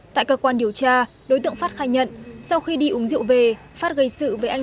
tại cơ quan điều tra đối tượng phát khai nhận sau khi đi uống rượu về phát gây sự với anh